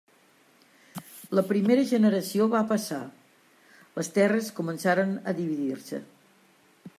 La primera generació va passar; les terres començaren a dividir-se.